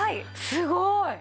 すごい！